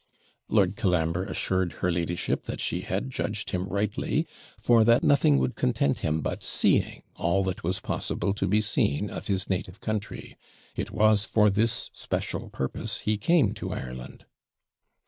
Lord Colambre assured her ladyship that she had judged him rightly, for, that nothing would content him but seeing all that was possible to be seen of his native country. It was for this special purpose he came to Ireland.